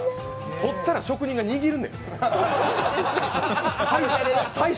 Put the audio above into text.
取ったら職人が握る。